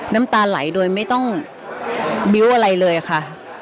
น้ำตาไหลโดยไม่ต้องบิ้วอะไรเลยค่ะ